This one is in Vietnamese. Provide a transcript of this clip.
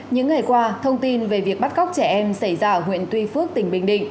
những ngày qua thông tin về việc bắt cóc trẻ em xảy ra ở huyện tuy phước tỉnh bình định